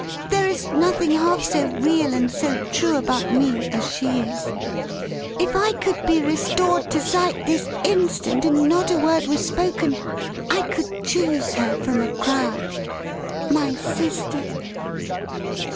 There is nothing half so real and so true about me, as she is. If I could be restored to sight this instant, and not a word were spoken, I could choose her from a crowd! My Sister!"